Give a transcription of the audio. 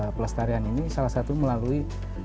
pelestarian ini salah satu melalui